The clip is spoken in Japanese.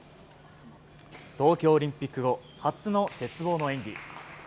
東京オリンピック後初の鉄棒の演技。